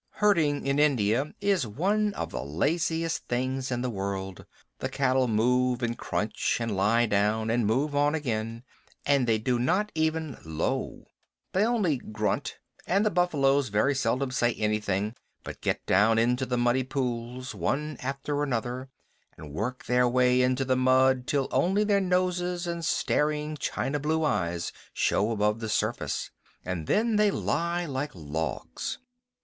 Herding in India is one of the laziest things in the world. The cattle move and crunch, and lie down, and move on again, and they do not even low. They only grunt, and the buffaloes very seldom say anything, but get down into the muddy pools one after another, and work their way into the mud till only their noses and staring china blue eyes show above the surface, and then they lie like logs.